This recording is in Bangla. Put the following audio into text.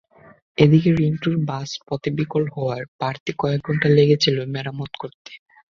ওদিকে রিন্টুর বাস পথে বিকল হওয়ায় বাড়তি কয়েক ঘণ্টা লেগেছিল মেরামত করতে।